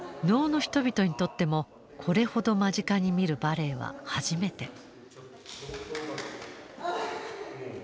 能の人々にとってもこれほど間近に見るバレエは初めて。